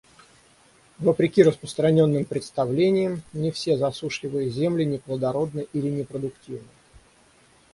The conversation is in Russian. Вопреки распространенным представлениям, не все засушливые земли неплодородны или непродуктивны.